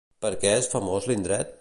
Per què és famós l'indret?